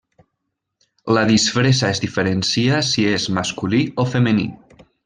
La disfressa es diferencia si és masculí o femení.